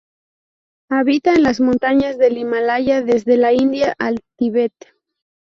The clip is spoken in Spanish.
Habita en las montañas del Himalaya, desde la India al Tíbet.